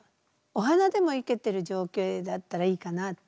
お花でも生けてる情景だったらいいかなと。